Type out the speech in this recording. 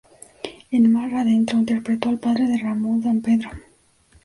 En "Mar adentro" interpretó al padre de Ramón Sampedro.